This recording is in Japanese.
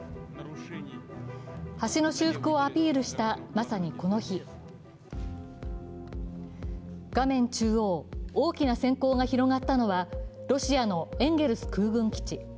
橋の修復をアピールしたまさにこの日、画面中央、大きなせん光が広がったのは、ロシアのエンゲルス空軍基地。